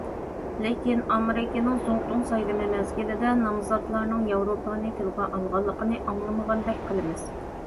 لېكىن ئامېرىكىنىڭ زۇڭتۇڭ سايلىمى مەزگىلىدە، نامزاتلارنىڭ ياۋروپانى تىلغا ئالغانلىقىنى ئاڭلىمىغاندەك قىلىمىز.